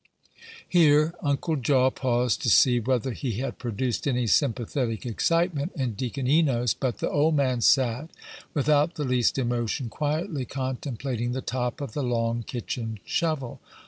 Here Uncle Jaw paused to see whether he had produced any sympathetic excitement in Deacon Enos; but the old man sat without the least emotion, quietly contemplating the top of the long kitchen shovel.